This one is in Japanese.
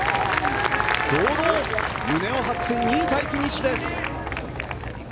堂々と胸を張って２位タイフィニッシュです。